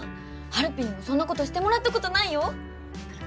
はるぴにもそんなことしてもらったことないよ！